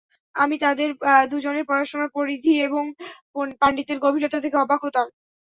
আমি তাঁদের দুজনের পড়াশোনার পরিধি এবং পাণ্ডিত্যের গভীরতা দেখে অবাক হতাম।